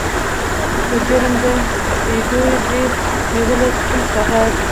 په جرم د سپېدو یې دي نیولي سپین سهار